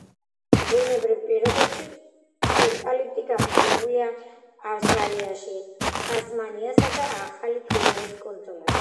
ბუნებრივ პირობებში ევკალიპტი გავრცელებულია ავსტრალიაში, ტასმანიასა და ახალი გვინეის კუნძულებზე.